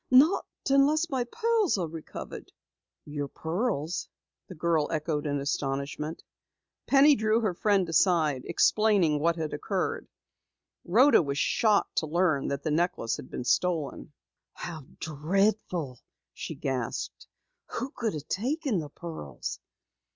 Not unless my pearls are recovered." "Your pearls?" the girl echoed in astonishment. Penny drew her friend aside, explaining what had occurred. Rhoda was shocked to learn that the necklace had been stolen. "How dreadful!" she gasped. "Who could have taken the pearls?"